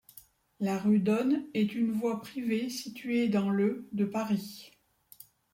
La rue Dosne est une voie privée située dans le de Paris.